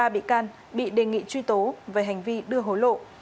hai mươi ba bị can bị đề nghị truy tố về hành vi đưa hối lộ